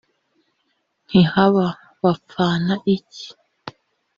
Ntihaba bapfana iki.